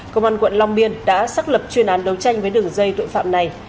công an quận long biên đã xác lập chuyên án đấu tranh với đường dây tội phạm này